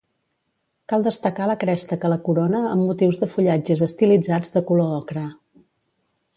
Cal destacar la cresta que la corona amb motius de fullatges estilitzats de color ocre.